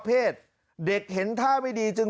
เมื่อกี้มันร้องพักเดียวเลย